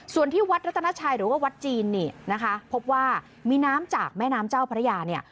ส่วนที่วัดรัตนาชัยหรือว่าวัดจีนเนี่ยนะคะพบว่ามีน้ำจากแม่น้ำเจ้าพระยาเนี่ย